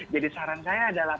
jadi saran saya adalah